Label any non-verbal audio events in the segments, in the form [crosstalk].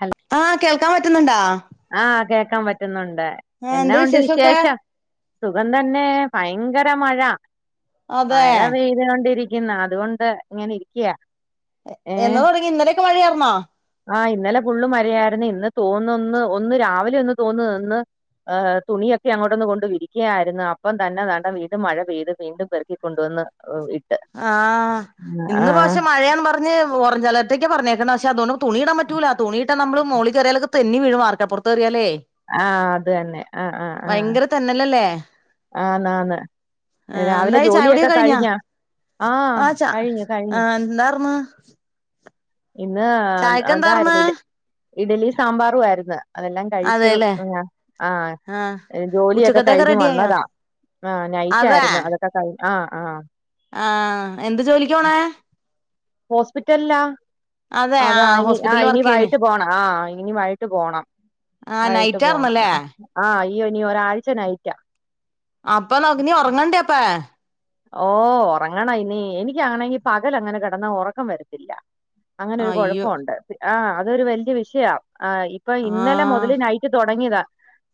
Hello ആഹ് കേൾക്കാൻ പറ്റുന്നുണ്ടാ ആഹ് കേക്കാൻ പറ്റുന്നുണ്ട് ആ എന്നാ എന്താ ഉണ്ട് വിശേഷൊക്കെ വിശേഷം സുഖം തന്നെ. ഭയങ്കര മഴ അതെ മഴ പെയ്തു കൊണ്ടിരി ക്കുന്ന അതുകൊണ്ട് ഇങ്ങനെ ഇര്ക്യ. എന്നോ. തൊടങ്ങി ഇന്നലെയൊക്കെ. മഴയാർന്നോ ആ ഇന്നലെ ഫുള്ളും മഴയാര്ന്ന് ഇന്ന് തോന്നൊന്ന് ഒന്ന് രാവിലെ ഒന്ന് തോന്നുന്ന് തുണിയക്കെ അങ്ങോട്ടൊന്ന്. കൊണ്ട് വിരിക്യയാരുന്നു. അപ്പം തന്നെ താണ്ട വീണ്ടും മഴ പെയ്ത് വീണ്ടും പെറുക്കികൊണ്ടുവന്ന് ഓ ഇട്ട് ആ ഇന്ന്. ആഹ് കൊർച് മഴയാന്നും പർഞ്ഞ്. ഓറഞ്ച് അലർ ത്തേക്ക പറഞ്ഞേക്ക്ണ പഷേ. അതൊണ്ട് തുണിയിടാം പറ്റൂല. തുണിയിട്ട. നമ്മള് മോളികേറിയാലോക്കെ തെന്നി വീഴും. വാർക്കപൊർത്തെറിയാലേ ആ. അത് തന്നെ ആ ആ വയങ്കര തന്നെലല്ലേ ആന്ന് ആന്ന് ആഹ് രാവിലെ എന്തായി ജോലിയൊക്ക ചായകുടിയൊക്കെ കഴിഞ്ഞാ ആ ആഹ് ചാ കഴിഞ്ഞു കഴിഞ്ഞു ആഹ് എന്താർന്ന് ഇന്ന് ചായക്കെന്താർന്ന് അതായിരുന്നു ഇഡ് ഇഡ്ലി സാമ്പാറു ആയിരുന്ന് അതെല്ലാം കഴിച്ചു അതെല്ലേ ആ ആഹ് ജോലിയൊക്കെ ഉച്ചക്കത്തേക്ക് കഴിഞ്ഞു റെഡിയായാ വന്നത ആ നൈറ്റായിരുന്നു അതൊക്കെ കഴി ആ ആ ആ എന്ത്. ജോലിക്കാ പൊണേ ഹോസ്പിറ്റൽല്ലാ അതെ അതാ ആഹ് ഇനി ആ ഹോസ്പിറ്റലിൽ ഇനി വർക്ക് ചെയ്യണ് വയിട്ട് പോണ. ആ ഇനി വയിട്ട് പോണം ആഹ് വയിട്ട് പോണം നൈറ്റാർന്നല്ലേ ആ ഈ ഇനി ഒരാഴ്ച നൈറ്റ അപ്പ നോക് ഇനി. ഒർങ്ങണ്ടേ അപ്പേ ഓ ഒർങ്ങണ ഇനി എനികാണങ്കി പകല് അങ്ങനെ കെടന്നാ ഒറക്കം വരത്തില്ല അങ്ങനെ ഒരു അയ്യോ കൊഴപ്പൊണ്ട് ആ അതൊരു വല്ല്യവിഷയ ആ ഇപ്പൊ ഇന്നലെ ആഹ് മൊതല്. നൈ റ്റ് തൊടങ്ങിയതാ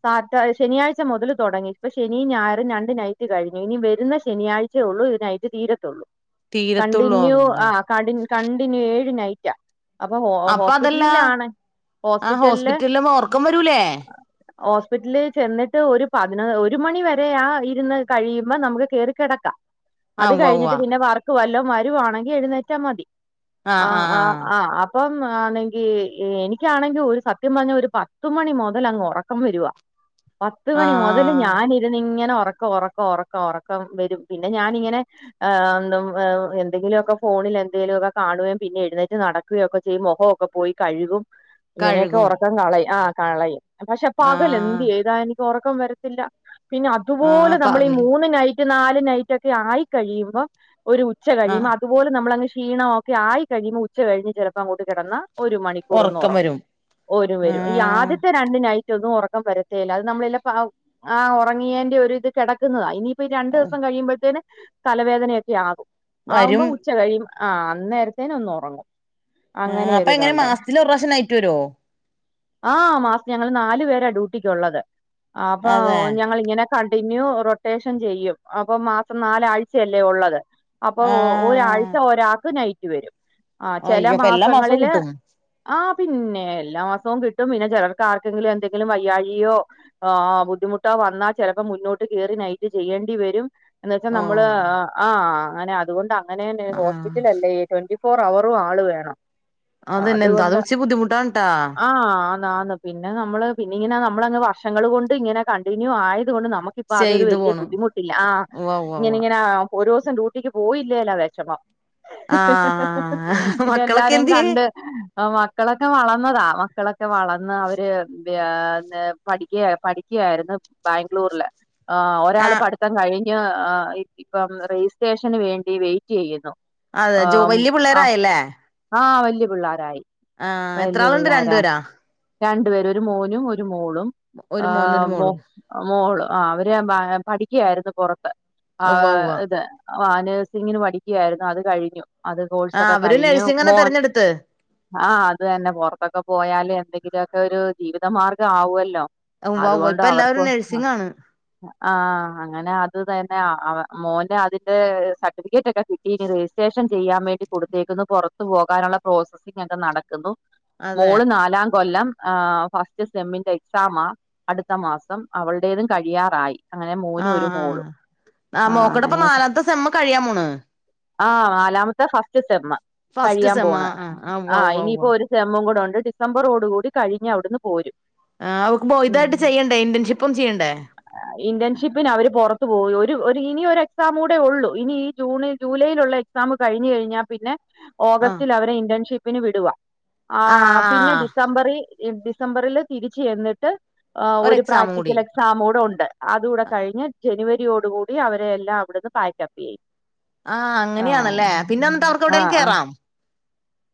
സാറ്റ. ശനിയാഴ്ച മുതല് തൊടങ്ങി ഇപ്പൊ ശനിയും ഞായറും രണ്ട് നൈറ്റ് കഴിഞ്ഞു ഇനി വരുന്ന ശനിയാഴ് ച്ച ഒള്ളൂ നൈറ്റ് തീരത്തൊള്ളൂ തീരത്തുള്ളൂ കണ്ടിന്യൂ അള്ളാ ആ കടിൻ കണ്ടിന്യു ഏഴു നൈറ്റാ അപ്പൊ ഹോ അപ്പ അതല്ല ഹോസ്പിറ്റൽലാണ് ആ ഹോസ്പിറ്റൽലെ ഹോസ്പിറ്റലില് ഉറക്കം വരൂലേ ഹോസ്പിറ്റൽല് ചെന്നിട്ട് ഒരു പതിനൊ ഒരു മണി വരെ ആ ഇരുന്ന് കഴിയുമ്പോ നമക്ക് കേറി. കെടക്കാം ആ അത് ഉവ്വ ഉവ്വ കഴിഞ്ഞിട്ട് പിന്നെ വർക് വല്ലോം വരുവാണെങ്കി എഴുന്നേറ്റാ മതി ആ ആഹ് ആഹ് ആ ആഹ് ആ അ പ്പം ആണെങ്കി എനിക്കാണെങ്കി. ഒരു സത്യം പർഞ്ഞാ ഒരു പത്ത് മണി മുതല് അങ്ങ് ഒറക്കം വരുവാ പത്ത് മണി മുതല് ആഹ് ഞാനിരുന്ന് ങ്ങനെ ഒറക്ക ഒറക്ക ഒറക്ക ഒറക്കം വരും പിന്നെ ഞാനിങ്ങനെ എന്തങ്കിലൊക്കെ ഫോണില് എന്തെലോക്കെ കാണുകയും പിന്നെ എഴുന്നേറ്റ് നട കുക്കെ ചെയ്യും. മൊകൊക്കെ പോയി കഴുകും ഇങ്ങനെയൊക്കെ കഴുകും ഒറക്കം കളയും ആ കളയുംപഷേ പകല് എന്ത്‌ ആഹ് ചെയ്താലും ഒറക്കം വരത്തില്ല പിന്നെ അതുപോലെ ആഹ് നമ്മള് ഈ പകല് മൂന്ന് നൈറ്റ് നാല് നൈ റ്റെക്കെ ആയി കഴിയുമ്പോ ഒരു ഉച്ച ആഹ് കഴിയുമ്പോ അ അതുപോലും. നളങ് ക്ഷീണൊമൊക്കെ ആയി കഴിഴുമ്പോ ഉച്ച കയിഞ്ഞ് ചെലപ്പോ അങ്ങോട്ട് കെടന്നാ ഒരു മണിക്കൂർ ഒന്ന് ഉറക്കം ഒറങ്ങും. വരും ഓര് വരും ഈ ആഹ് ആദ്യത്തെ രണ്ട് നൈറ്റൊന്നും ഒറക്കം വരത്തെല്ല. അത് നമ്മളല്ല ആ. ആ ഒറങ്ങിയേന്റെ ഒരു ഇത് കെടക്കുന്നതാ ഇനി പ്പ ഈ. രണ്ട്സം കഴിയുമ്പോഴത്തേന് തലവേദനയൊക്കെ ആകും വരും ആവുമ്പോ ഉച്ച കഴിയു ആ അന്നേരത്തേന് ഒന്ന് ഒറങ്ങും ആ അപ്പ എങ്ങനെ മാസ്ത്തില് ഒര്റാശ്യം നൈറ്റ്. വരോ ആ മാസ്തി. ഞങ്ങള് നാലു പേരാ ഡ്യൂട്ടിക്കുള്ളത് അപ്പൊ അതെ ഞങ്ങളിങ്ങനെ കണ്ടിന്യൂ റൊട്ടേഷൻ ചെയ്യും അപ്പൊ മാസം നാലാഴ്ചയല്ലേ ഒള്ളത് അപ്പൊ ഒ ആഹ് ഒരാഴ്ച ഒരാക്ക് നൈറ്റ് വരും ആ ചെല അയ്യോ അപ്പൊ എല്ലാ മാസവും മാസങ്ങളില് കിട്ടും ആ പിന്നെ എല്ലാ മാസവും കിട്ടും പിന്നെ ചെലർക്കാർക്കെങ്കിലു എന്തെങ്കിലും വയ്യായിയോ ആ ബുദ്ധിമുട്ടോ വന്നാ ചെലപ്പം മുന്നോട്ട് കേറി നൈറ്റ് ചെയ്യേണ്ടി വരും എന്ന് വെച്ചാ നമ്മള് ഓഹ് ആ അങ്ങനെ അതുകൊണ്ടങ്ങനേനെ ആഹ് ഹോസ്പിറ്റലല്ലേ ട്വന്റി ഫോറവറും ആള് വേണം അതന്നെ എന്താ അത് അത്കൊണ്ട ഇച്ചിരി ബുദ്ധിമുട്ടാണ് ട്ടാ ആഹ് ആ ആന്ന് പിന്നെ നമ്മള് പിന്നിങ്ങനെ നമ്മളങ്ങ് വർഷങ്ങള് കൊണ്ട് ഇങ്ങനെ കണ്ടിന്യൂ ആയത് കൊണ്ട് നമ ക്കിപ്പതൊരു ചെയ്തു വല്ല്യ പോണ് ബുദ്ധിമുട്ടില്ല ആഹ് ഉവ്വ ഉവ്വ ഉവ്വ ഇങ്ങനെങ്ങനാ ആഹ് ഒരൂസം ഡ്യൂട്ടിക്ക് പോയില്ലേലാ വെഷമം ആഹ് മക്കളൊക്കെ ഇല്ലെല്ലാരേം എന്തിയേ കണ്ട് ആഹ് മക്കളൊക്കെ വളർന്നതാ മക്കളൊക്കെ വളർന്ന് അവര് ഏ പഠിക്ക്യാ പഠിക്ക്യായിര്ന്ന് ബാഗ്ലൂരില് ആഹ് ഒരാള് ആഹ് പഠിത്തം കഴിഞ്ഞ് ഇപ്പം രജിസ്ട്രേഷന് വേണ്ടി വെയിറ്റെയ്യുന്നു അതെ ജോ വല്ല്യ പിള്ളേരായല്ലേ? ആഹ് വല്ല്യ പിള്ളാരായി. ആഹ് എത്രാള്ണ്ട് രണ്ട് പേരാ? രണ്ട് പേര് ഒര് മോനും ഒര് മോളും ഒരു മോനും ഏഹ് ഒരു മൊ മോളും മോള് ആഹ് അവര് പഠിക്കയായിര്ന്നു പൊറത്ത് ഉവ്വ ആഹ് ഉവ്വ ഇത് ആഹ് നഴ്സിങ്ങിന് പഠിക്കായിരുന്നു അത് കഴിഞ്ഞു അത് ആഹ് കോഴ്സൊക്കെ അവരും കഴിഞ്ഞു നഴ്സിംഗന്നെ തെരഞ്ഞെടുത്ത് ആഹ് അത് തന്നെ പൊറത്തൊക്കെ പോയാല് എന്തെങ്കിലൊക്കെ ഒര് ജീവിതമാർഗാവൊല്ലോ ഉവ്വ ഉവ്വ ഇപ്പ എല്ലാവരും അത്കൊണ്ടവർക്ക് ഹാ നഴ്സിംഗാണ് ആഹ് അങ്ങനെ അത് തന്നാ മോന് അതിന്റെ സർട്ടിഫിക്കറ്റൊക്കെ കി ട്ടീ ഇനി രജിസ്ട്രേഷൻ ചെയ്യാൻ വേണ്ടി കൊടുത്തേക്ക്ന്ന് പൊറ ത്ത് പോകാനുള്ള പ്രോസസിങ്ങൊക്കെ നടക്കുന്നു അതെ മോള് നാലാം കൊല്ലം ആഹ് ഫസ്റ്റ് സെമ്മിന്റെ എക്സാമാ അടുത്ത മാസം അവളുടേതും കഴിയാറായി. അങ്ങനെ മോനും ഒര് ആഹ് ആഹ് മോളും ആഹ് മോക്കടെപ്പ അങ്ങനെയൊക്കെ നാലാമത്തെ സെമ്മ് കഴിയാൻ പോണ് ആഹ് നാലാമത്തെ ഫസ്റ്റ് സെമ്മ് ഫസ്റ്റ് കഴിയാൻ സെമ്മ് പോണ് ആഹ് ആഹ് ഉവ്വ ആഹ് ഉവ്വ ഉവ്വ ഇനിയിപ്പൊ ഒര് സെമ്മും കൂടൊണ്ട് ഡിസംബറോട് കൂടി കഴിഞ്ഞവിട്ന്ന് പോരും ആഹ് അവക്ക്പ്പൊ ഉം ഇതായിട്ട് ചെയ്യണ്ടേ ഇന്റേൺഷിപ്പും ചെയ്യണ്ടേ? ഇന്റേൺഷിപ്പിന് അവര് പൊറത്ത് പോയി ഒര് ഒര് ഇനി ഒരെക്സാമൂടെ ഒള്ളൂ ഇനി ഈ ജൂണ് ജൂലൈയ്ലുള്ള എക്‌സാമ് കഴിഞ്ഞ് കഴിഞ്ഞാ പിന്നെ ആഹ് ഓഗസ്റ്റിലവരെ ഇന്റേൺഷിപ്പിന് വിടുവാ ആഹ് പിന്നെ ഡിസംബറി ഈ ഡിസംബറില് തിരിച്ച് ചെന്നിട്ട് ആഹ് ഒരു ഒര് എക്സാമും കൂടി പ്രാക്ടിക്കലെ ക്സാമൂടൊണ്ട് അത് കൂടെ കഴിഞ്ഞ് ജനുവരിയോട് കൂടി അവര് എല്ലാം അവിടന്ന് പാക്കപ്പ് ചെയ്യും ആഹ് അങ്ങനെയാണല്ലേ പിന്നെന്നട്ട് അവർക്കെവിടേലും കേറാം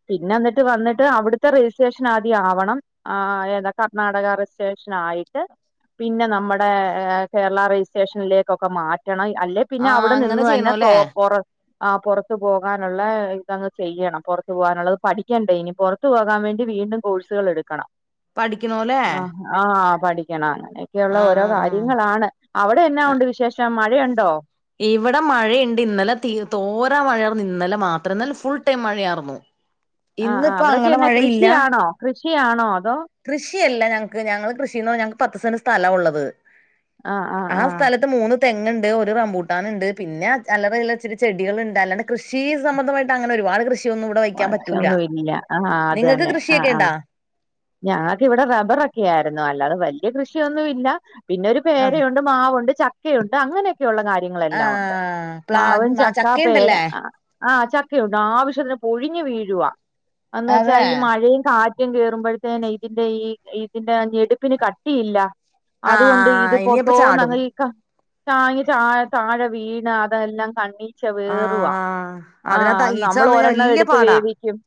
പിന്നെന്നിട്ട് വന്നിട്ട് അവിടത്തെ രജിസ്ട്രേഷനാദ്യം ആവണം ആഹ് ഏതാ കർണാടക റെജിസ്ട്രേഷനായിട്ട് പിന്നെ നമ്മ്ടെ ഏ കേരളാ റെജിസ്ട്രേഷനിലേക്കൊക്കെ മാറ്റണം അല്ലെ ആഹ് പിന്നവിടെ നിന്ന് അങ്ങനെ തന്നെ ചെയ്യണോല്ലേ പോ പൊറ ആഹ് പൊറത്ത് പോകാനുള്ള ഇതങ്ങ് ചെയ്യണം പൊറ ത്ത് പോകാനുള്ളത് പഠിക്കണ്ടേ ഇനി പൊറത്ത് പോകാൻ വേണ്ടി വീണ്ടും കോഴ്സുകളെടുക്കണം പഠിക്കണോല്ലേ ആഹ് പഠിക്കണം അങ്ങനെയൊക്കെയുള്ള ഓരോ ആഹ് ആഹ് കാര്യങ്ങളാണ് അവിടെ എന്നാ ആഹ് ഉണ്ട് വിശേഷം മഴയൊണ്ടോ? ഇവിടെ മഴയ്ണ്ട് ഇന്നലെ തീ തോരാ മഴയാർന്നു ഇന്നലെ മാത്രം ഇന്നലെ ഫുൾ ടൈം മഴയാർന്നു ആഹ് ആഹ് ഇന്നിപ്പോ അങ്ങനെ അവിടൊക്കെയെന്നാ മഴയില്ല കൃഷിയാണോ കൃഷിയാണോ അതോ കൃഷിയല്ല ഞങ്ങക്ക് ഞങ്ങള് കൃഷീന്ന് പറഞ്ഞ ഞങ്ങക്ക് പത്ത് സെന്റ് സ്ഥലാ ഉള്ളത് ആഹ് ആഹ് ആ ആഹ് സ്ഥല ത്ത് മൂന്ന് തെങ്ങ്ണ്ട് ഒര് റമ്പൂ ട്ടാന്ണ്ട് പിന്നെ അല്ലറ ചില്ലറ ഇച്ചിരി ചെടികള്ണ്ട് അല്ലാണ്ട് കൃഷി സംബന്ധമായിട്ട് അങ്ങനെ ഒരുപാട് കൃഷി ക്കൊന്നും ഇവ്ടെ വയ്ക്കാൻ പറ്റൂല വർഷൊന്നും ഇല്ല ആഹ് നിങ്ങക്ക് കൃഷിയൊക്കെ ഇണ്ടാ? ഞങ്ങക്കിവിടെ റബറൊക്കെയാര്ന്നു അല്ലാതെ വല്ല്യ കൃഷിയൊന്നുവില്ല പിന്നൊര് അതെ പേരയുണ്ട് മാവൊണ്ട് ചക്കയൊണ്ട് അങ്ങനെ യൊള്ള കാര്യങ്ങളെല്ലാം ഒണ്ട് ആഹ് പ്ലാ മാവും മ- ചക്കാ പേര ചക്കയുണ്ടല്ലേ ആഹ് ചക്കയുണ്ട് ആവശ്യത്തിന് പൊഴിഞ്ഞു വീഴുവാ എന്നുവെച്ചാ അതെ ഈ മഴയും കാ റ്റും കേറുമ്പഴത്തേനെ ഇതിന്റെ ഈ ഇതിന്റെ ഞെടുപ്പിന് കട്ടിയില്ല. അതുകൊണ്ട് ഇത് ആഹ് ഇനിയപ്പ ചാടും പൊത്തോന്നങ്ങ് ലീക്ക താങ്ങി ചായ താഴെ വീണ് അതെല്ലാം കണ്ണി പക്ഷേ വേറുവാ ആഹ് അതിനകത്ത് ആഹ് ഈച്ച നമ്മൾ വന്ന് കഴിഞ്ഞാ ഒരെണ്ണം വല്യ എടുത്ത് പാടാ വേവിക്കും.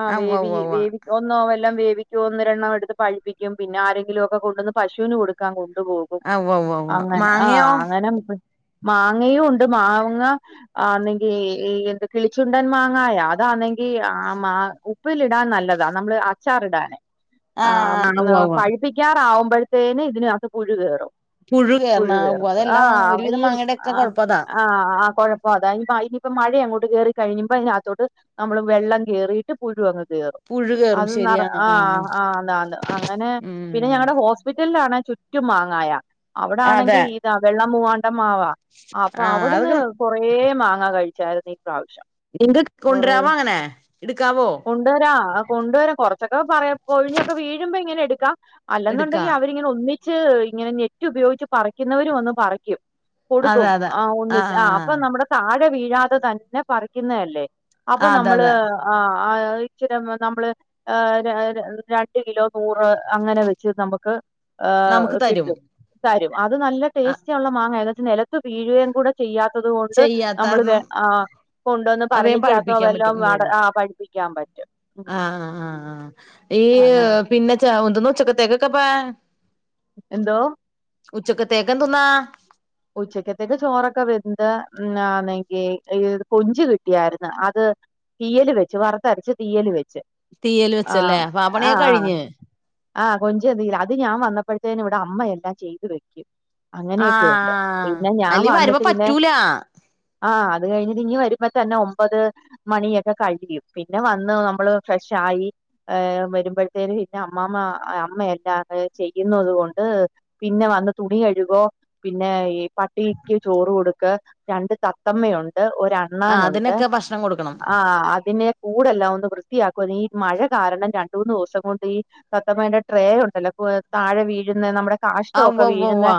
ആഹ് ആ ഉവ്വ വേവി ഉവ്വ ഉവ്വ വേവി ഒന്നോ എല്ലാം വേ വിക്കും ഒന്നരണ്ണം എടുത്ത് പഴിപ്പിക്കും പിന്നെ ആരെങ്കിലൊക്കെ കൊണ്ടുന്ന് പശുവിന് കൊടുക്കാൻ കൊണ്ട് പോകും. ആ ഉവ്വ ഉവ്വ ഉവ്വ അങ്ങനെ ആഹ് മാങ്ങയോ അങ്ങനെ മാങ്ങയും ഉണ്ട് മാങ്ങ ആന്നെങ്കി ഈഹ് എന്ത് കിളിച്ചുണ്ടൻ മാങ്ങായ അതാന്നെങ്കി ആ മാ ഉപ്പിലിടാൻ നല്ലതാ നമ്മള് അച്ചാർ ഇടാൻ. ആഹ് പഴിപ്പിക്കാറാവുമ്പോഴത്തേന് ഇതിനകത്ത് പുഴു കേറും. കേറണ പുഴു ഉവ്വ കേറും അതെല്ലാ ആഹ് ഒരുവിധം ഈഹ് മാങ്ങയുടെ ഒക്കെ ആഹ് കൊഴപ്പം അതാ ആഹ് കൊഴ അപ്പൊ അതായി ഇനിയിപ്പ മഴ അങ്ങോട്ട് കയറി കഴിയുമ്പൾ അതിനകത്തോട്ട് നമ്മള് വെള്ളം കേറിയിട്ട് പുഴു അങ് പുഴു കേറും ശരിയാണ്. ആഹ ആഹ് ആഹ ആന്ന് ആന്ന് അങ്ങനെ പിന്നെ ഉം ഞങ്ങടെ ഹോസ്പിറ്റലിലാണേ ചുറ്റും മാങ്ങായ അതെ അവിടാണെങ്കിൽ ഇതാ വെള്ളമൂവാണ്ടൻ മാവാ അപ്പൊ ആഹ് അവിടുന്ന് അതൊക്കെ കൊറേ മാങ്ങ കഴിച്ചായിരുന്നു ഈ പ്രാവശ്യം. നിക്ക് കൊറേ കൊണ്ടരാവോ അങ്ങനെ ഇടുക്കാവോ കൊണ്ടുവരാ കൊണ്ടുവരാ കൊറച്ചൊക്കെ പറയ പൊഴിഞ്ഞൊക്കെ വീഴുമ്പോ ഇങ്ങനെ എടുക്കാം എടുക്കാ അല്ലെന്നുണ്ടെങ്കിൽ അവര് ഇങ്ങനെ ഒന്നിച്ച് ഇങ്ങനെ നെറ്റ് ഉപയോഗിച്ച് പറിക്കുന്നവരു വന്ന് പറിക്കും. അതെ കൊടുക്കും അതെ ആഹ് ഒന്നിച്ച് ആഹ് അപ്പൊ നമ്മടെ താഴെ വീഴാതെ തന്നെ പറിക്കുന്നതല്ലേ അപ്പൊ ആഹ് അതെ നമ്മള് അതെ ആഹ് ആഹ് ഇച്ചിരി നമ്മള് ഏഹ് ര ര രണ്ട് കിലോ നൂറ് അങ്ങനെ വെച്ച് നമുക്ക് നമുക്ക് ഏഹ് തരും കിട്ടും. തരും അത് നല്ല ആ ടേസ്റ്റി ഉള്ള മാങ്ങയാ എന്ന് വച്ചൽ നെലത്ത് വീഴുകയും കൂടെ ചെയ്യാത്തത് കൊണ്ട് ചെയ്യാത്ത നമ്മൾ കാരണം ആഹ് കൊണ്ടുവന്ന് അത് വേഗം ഭരണിക്കകത്തോ പഴുപ്പിക്കാൻ പറ്റും വല്ലാം ഉവ്വ അട ഉവ്വ ആഹ് പഴി പ്പിക്കാൻ പറ്റും. ഉം ആഹ് ആഹ് ആഹ് ആഹ് ഈ അങ്ങനെ പിന്നെ ച ഉന്തന്ന ഉച്ചക്കത്തേക്കൊക്കെ പാ എന്തോ ഉച്ചക്കത്തേക്കെന്തുന്നാ ഉച്ചക്കത്തേക്ക് ചോറൊക്കെ വെന്ത് അന്നെങ്കി കൊഞ്ച് കിട്ടിയായിരുന്നു അത് തീയല് വെച്ച് വറത്തരച്ച് തീയല് വെച്ച്. തീയൽ വെച്ചല്ലേ ആഹ് അപ്പോ ആ ആഹ് പണിയൊക്കെ ആഹ് കഴിഞ്ഞ്. ആഹ് കൊഞ്ച് എന്താ ചെയ അത് ഞാൻ വന്നപ്പഴത്തേനും ഇവിടെ അമ്മയെല്ലാം ചെയ്തു വെക്കും. അങ്ങനെയൊക്കെയുണ്ട് ആഹ് പിന്നെ ഞാൻ അല്ലീ വരുമ്പോ വന്നിട്ട് പിന്നെ പറ്റൂല ആഹ് ആഹ് അത് കഴിഞ്ഞത് ഇനി വരുമ്പോ തന്നെ ഒമ്പത് മണിയൊക്കെ കഴിയും പിന്നെ വന്ന് നമ്മള് ഫ്രഷായി ഏഹ് വരുമ്പഴത്തേന് പിന്നെ മ്മ്മ അമ്മയെല്ലാ ചെയ്യുന്നത് കൊണ്ട് പിന്നെ വന്ന് തുണി കഴുകോ പിന്നെ ഈ പട്ടിക്ക് ചോറ് കൊടുക്ക് രണ്ട് തത്തമ്മയുണ്ട് ഒര് ണ്ണാനുണ്ട് അതിനൊക്കെ ഭക്ഷണം കൊടുക്കണം ആഹ് അതിനെ കൂടെല്ലാം ഒന്ന് വൃത്തിയാക്കും ഈ മഴ കാരണം രണ്ട് മൂന്ന് ദിവസം കൊണ്ട് ഈ തത്തമ്മേന്റെ ട്രേ ഉണ്ടല്ലോ താഴെ വീഴുന്നേ നമ്മുടെ ആഹ് കാഷ്ടമൊക്കെ ഉവ്വ ഉവ്വ ഉവ്വ വീഴുന്നേ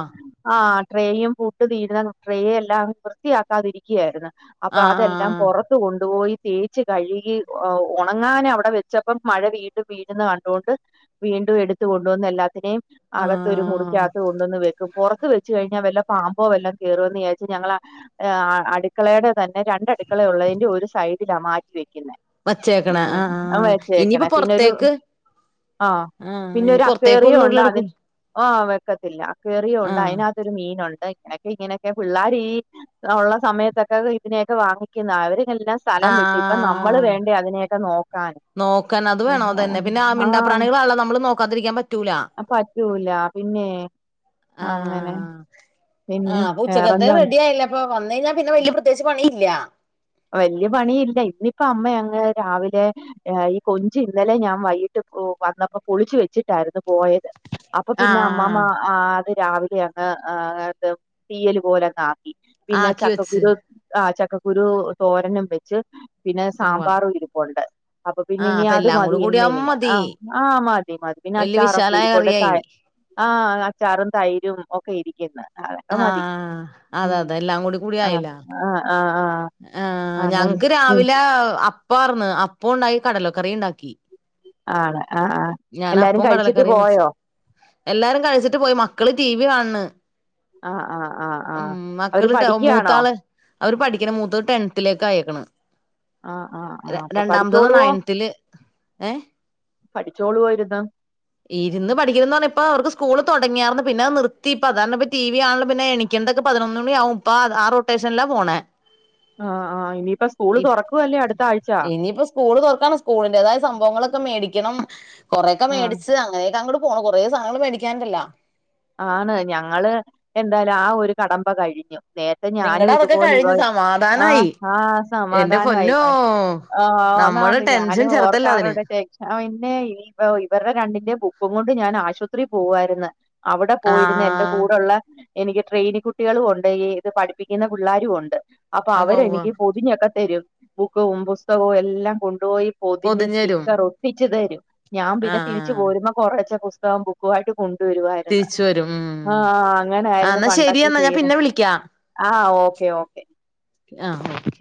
ആഹ് ട്രേയും പൂട്ട് തീരുന്ന ട്രേ എല്ലാം വൃത്തിയാക്കാതിരിക്കുകയായിരുന്നു. അപ്പൊ ആഹ് അതെല്ലാം ആഹ് പൊറ ത്ത് കൊണ്ടുപോയി തേച്ച് കഴുകി ഉണങ്ങാനവിടെ വെച്ചപ്പം മഴ വീണ്ടും വീഴ്ന്ന് കണ്ടോണ്ട് വീണ്ടും എടുത്ത് കൊണ്ടുവന്ന് എല്ലാത്തിനേം അകത്തൊരു ആഹ് മുറിക്കകത്ത് കൊണ്ടുവന്ന് വെക്കും പൊറത്ത് വെച്ച് കഴിഞ്ഞാൽ വല്ല പാമ്പോ വല്ലോം കയറോന്ന് വിചാരിച്ച് ഞങ്ങള് അ ടുക്കളേടെ തന്നെ രണ്ടടുക്കള ഉള്ളതിന്റെ ഒരു സൈഡിലാ മാറ്റി വെക്കുന്നേ വച്ചേക്കണ ഉം ആഹ് അത് ആഹ് ഇനിയിപ്പോ വച്ചേക്കണേ പിന്നൊരു പൊറത്തേക്ക് ആഹ ആഹ് പിന്നെ ഇനി ഒരു പൊറത്തേക്ക് അക്കേറിയോ ഒന്നുംള്ള ഉണ്ട് അതി എടുക്കൂല ആഹ വെക്കത്തില്ല അക്കേറിയോ ഉണ്ട് ആഹ് അതിനക ഒരു മീനുണ്ട് ഇടക്ക് ഇങ്ങനെയൊക്കെ പിള്ളേരി ഈ ഉള്ള സമയത്തൊക്കെ ഇതിനെയൊക്കെ വാങ്ങിക്കുന്ന അവരെല്ലാം സ്ഥലം വിട്ട് ഇപ്പൊ നമ്മള് ആഹ് വേണ്ടി അതിനേക്കെ നോക്കാൻ നോക്കാൻ അത് വേണ അതന്നെ പിന്നെ ആ മിണ്ടാ ആഹ് പ്രാണികള് ഇള്ള നമ്മള് നോക്കാതിരിക്കാൻ പറ്റൂല പറ്റൂല പിന്നെ അങ്ങനെ ആഹ് പിന്നെ ആഹ് അപ്പ ഉച്ചക്കത്തെ വേറെന്താ ഉണ്ട് റെഡി ആയില്ല അപ്പൊ വന്ന് കഴിഞ്ഞാ പിന്നെ വല്യ പ്രത്യേകിച്ച് പണിയില്ല വല്യ പണിയില്ല ഇന്നിപ്പ അമ്മ അങ്ങ് രാവിലെ ഈ കൊഞ്ച് ഇന്നലെ ഞാൻ വൈകിട്ട് വന്നപ്പോ പൊളിച്ചു വെച്ചിട്ടായിരുന്നു പോയത് അപ്പൊ പിന്നെ അമ്മാമ്മ ആഹ് അത് രാവിലെ അങ്ങ് ത് തീയല് പോലെങ് ആക്കി പിന്നെ ആക്കി വെച്ച് ചക്കക്കുരു ആ ചക്കക്കുരു തോരനും വ പിന്നെ ഉവ്വ സാമ്പാറും ഇരിപ്പുണ്ട് അപ്പൊ പിന്നെ ആഹ് ഇനി അപ്പൊ അത് എല്ലാം മതി കൂടെ ഇന്ന് കൂടിയാവുമ്പോ ഇനി മതി ആഹ് ആഹ് മതി മതി പിന്നെ വല്യ അച്ചാറൊക്കെ വിശാലായ ഇരിപ്പോണ്ട് കറിയായി [unintelligible] ആഹ് അച്ചാറും തൈരും ഒക്കെ ഇരിക്കുന്നു അതൊക്കെ മതി ആഹ് അതെ ഉം അതെ എല്ലാം ആഹ് ആഹ് ആഹ് ആഹ് ആ ഞങ്ങക്ക് രാവിലെ അപ്പം ആര്ന്ന് അപ്പ ഉണ്ടായി കടലക്കറി ഇണ്ടാക്കി ആണ് ആഹ് ആഹ് ഞാന് എല്ലാരും അപ്പവും കടല കഴിച്ചിട്ട് കറിയും വെച്ചു പോയോ എല്ലാരും കഴിച്ചിട്ട് പോയി മക്കള് ടി വി കാണണ് ആഹ് ആഹ് ആഹ് ഉം ആഹ് അവര് മക്കള് പഠിക്കയാണോ മൂത്താള് അവര് പഠി മൂത്തത് ടെൻത്തിലേക്ക് അയേക്കണ് ആഹ് ആഹ് ആഹ് അപ്പൊ രണ്ടാമത്തേത് പഠിച്ചോളുവോ നയൻത്തില് ഏഹ് പഠിച്ചോളുവോ ഇരുന്നാ ഉ ഇരുന്ന് പഠിക്കണ്ന്ന് പറഞ്ഞാ ഇപ്പോ അവർക്ക് സ്കൂള് തുടങ്ങിയാർന്ന് പിന്നെ നിർത്തി ഇപ്പ അതാരണപ്പ ടി വി ആണലും പിന്നെ ക്കെന്തൊക്കെ പതിനൊന്ന് മണിയാവും ഇപ്പ ആ റൊട്ടേഷൻലാ പോണേ ആഹ് ആഹ് ഇനിയിപ്പ സ്കൂള് തുറക്കുവല്ലേ അടുത്ത ആഴ്ച്ച ഇനിയിപ്പോ സ്കൂള് തുറക്കാണ് സ്കൂളിൻ്റേതായ സംഭവങ്ങളൊക്കെ മേടിക്കണം കൊറേൊക്കെ ആഹ് മേടിച്ച് അങ്ങനെയൊക്കെ അങ്ങോട്ട് പോണ് കൊറേ സധനങ്ങള് മേടിക്കാനനിണ്ടല്ല ആണ് ഞങ്ങള് എന്തായാലും ആ ഒരു കടമ്പ കഴിഞ്ഞു നേരത്തെ ഞാനും നിങ്ങടെ അതൊക്കെ ഇതുപോലെ കഴിഞ്ഞ് ആഹ് സമാധാനായി ആഹ് എന്റെ സമാധാനായി പൊന്നോ ആഹ് നമ്മടെ ആന്നാന്ന് ടെൻഷൻ ഞാനും ചെറുതല്ല അതിന് ഓർക്കാരോടെ ച ആ പിന്നെ ഇവരുടെ രണ്ടിന്റെ ബുക്കും കൊണ്ട് ഞാൻ ആശുപത്രിൽ പോവായിരുന്നു അവിടെ പോയിരുന്നു എന്റെ ആഹ് കൂടെള്ള എനിക്ക് ട്രെയിനി കുട്ടികളും ഉണ്ട് ഈ ഇത് പഠിപ്പിക്കുന്ന പിള്ളേരു ഉണ്ട് അപ്പൊ ഉവ്വ അവരെ ഉവ്വ എനിക്ക് തിനൊക്കെ തരും ബുക്കും പുസ്തകവും എല്ലാം കൊണ്ടുപോയി പൊതിഞ്ഞ് സ്റ്റിക്കർ ഒട്ടിചൺച്ച് തരും ഞാൻ പിന്നെ ആഹ് തിരിച്ചു ആഹ് പോരുമ്പ കുറേച്ചെ പുസ്തകം ബുക്കു ആയിട്ട് കൊണ്ടുവരുവായി ആഹ് തിരിച്ചു വരും ഉം ആഹ് ആഹ് അങ്ങനായിരുന്നു എന്നാ പണ്ടൊക്കെ ശരിയെന്നാ ഞാൻ ചെയ്യണെ പിന്നെ വിളിക്കാം ആഹ് ഓക്കെ ഓക്കെ ആഹ് ഓക്കെ